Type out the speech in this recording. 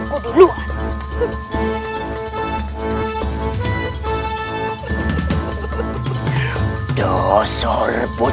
untuk fora sajalah